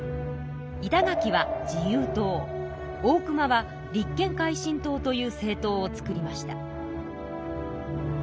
板垣は自由党大隈は立憲改進党という政党を作りました。